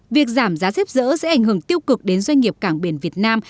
việc giảm giá xếp rỡ sẽ ảnh hưởng tiêu cực đến doanh nghiệp cảng biển việt nam